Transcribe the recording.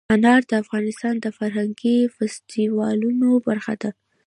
انار د افغانستان د فرهنګي فستیوالونو برخه ده.